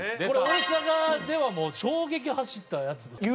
これ大阪ではもう衝撃走ったやつで。